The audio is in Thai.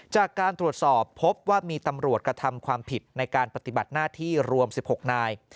จากการตรวจสอบพบว่ามีตำรวจกระทำความผิดในการปฏิบัติหน้าที่รวม๑๖นาย